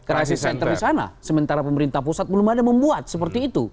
crisis center di sana sementara pemerintah pusat belum ada membuat seperti itu